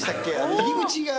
入り口が。